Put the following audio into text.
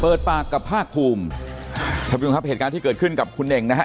เปิดปากกับภาคภูมิท่านผู้ชมครับเหตุการณ์ที่เกิดขึ้นกับคุณเน่งนะฮะ